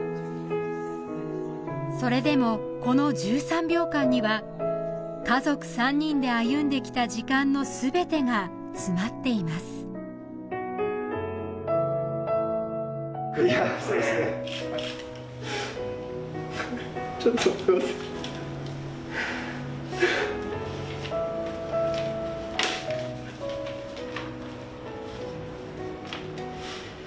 それでもこの１３秒間には家族３人で歩んできた時間の全てが詰まっていますくやそうですねちょっとすいません